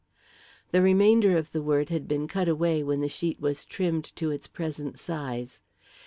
The remainder of the word had been cut away when the sheet was trimmed to its present size.